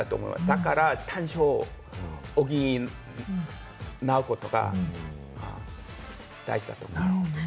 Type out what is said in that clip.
だから短所を補うことが大事だと思います。